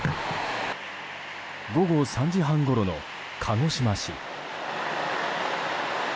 午後３時半ごろの鹿児島市。